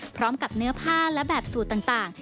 พร้อมกับเนื้อผ้าและแบบสูตรต่าง